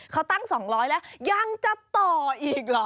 เขาตั้ง๒๐๐แล้วยังจะต่ออีกเหรอ